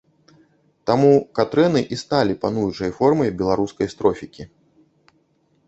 Таму катрэны і сталі пануючай формай беларускай строфікі.